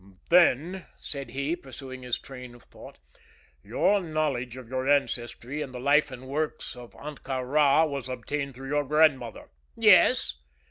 "Then," said he, pursuing his train of thought, "your knowledge of your ancestry and the life and works of Ahtka Rā was obtained through your grandmother?" "Yes."